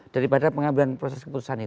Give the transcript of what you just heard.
daripada pengambilan proses keputusan